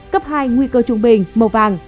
cấp hai nguy cơ trung bình màu vàng